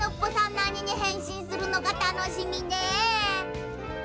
なににへんしんするのかたのしみね。